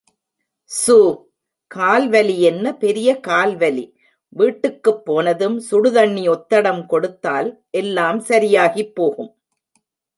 சூ... கால் வலியென்ன பெரிய கால்வலி வீட்டுக்கு போனதும் சுடு தண்ணி ஒத்தடம் கொடுத்தால் எல்லாம் சரியாகி போகும்!